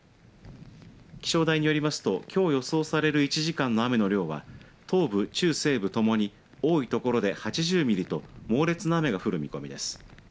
気象台によりますときょう予想される１時間の雨の量は東部、中西部ともに多い所で８０ミリと猛烈な雨が降る見込みです。